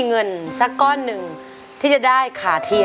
เงินน่ะมีไหม